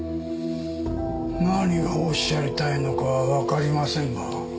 何がおっしゃりたいのかはわかりませんが。